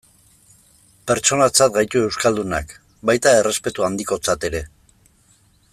Pertsonatzat gaitu euskaldunak, baita errespetu handikotzat ere.